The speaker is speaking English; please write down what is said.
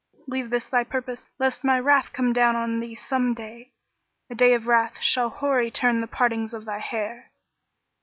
Leave this thy purpose lest my wrath come down on thee some day, * A day of wrath shall hoary turn the partings of thy hair!"